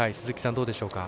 どうでしょうか。